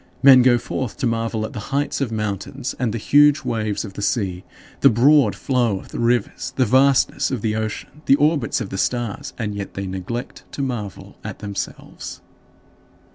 Men go forth to marvel at the heights of mountains and the huge waves of the sea, the broad flow of the rivers, the vastness of the ocean, the orbits of the stars, and yet they neglect to marvel at themselves.